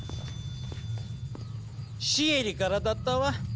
シエリからだったわ。